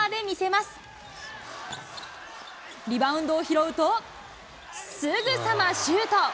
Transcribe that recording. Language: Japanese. リバウンドを拾うと、すぐさまシュート。